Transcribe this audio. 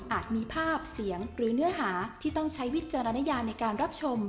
มีภาพเสียงหรือเนื้อหาที่ต้องใช้วิจารณญาในการรับชม